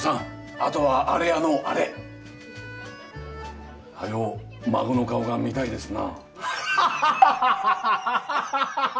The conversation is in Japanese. あとはアレやのアレはよう孫の顔が見たいですな・